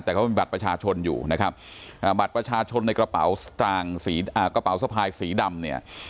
แต่ก็มีบัตรประชาชนอยู่นะครับบัตรประชาชนในกระเป๋าสะพายสีดำเนี่ย